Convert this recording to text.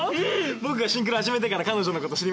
僕がシンクロ始めてから彼女のこと知りましてね。